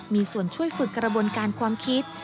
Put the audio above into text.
มีส่วนช่วยฝึกกระบวนการความคิด